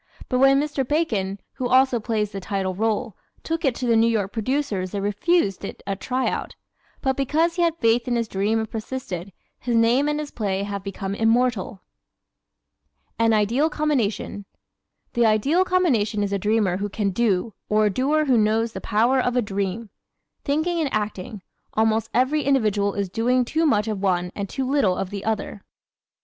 But when Mr. Bacon, who also plays the title role, took it to the New York producers they refused it a try out. But because he had faith in his dream and persisted, his name and his play have become immortal. An Ideal Combination ¶ The ideal combination is a dreamer who can DO or a doer who knows the power of a DREAM. Thinking and acting almost every individual is doing too much of one and too little of the other!